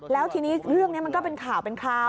แล้วทีนี้เรื่องนี้มันก็เป็นข่าวเป็นคราว